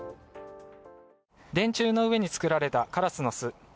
電柱の上に作られたカラスの巣。